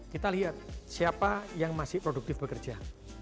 kita lihat siapa yang masih produktif bekerja